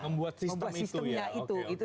membuat sistem itu ya